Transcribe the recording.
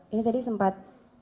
ini tadi sempat